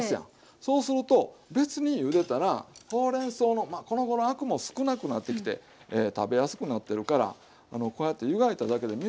そうすると別にゆでたらほうれんそうのこのごろアクも少なくなってきて食べやすくなってるからこうやって湯がいただけで水に取らないでも